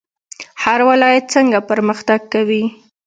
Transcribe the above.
هر ولایت څنګه پرمختګ کوي؟